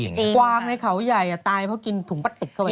กวางในเขาใหญ่ตายเพราะกินถุงปะติดเข้าไป